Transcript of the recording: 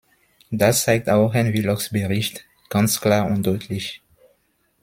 Das zeigt auch Herrn Willockxs Bericht ganz klar und deutlich.